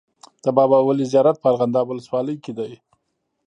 د بابا ولي زیارت په ارغنداب ولسوالۍ کي دی.